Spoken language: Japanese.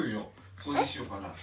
掃除しようかなって。